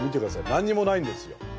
何にもないんですよ。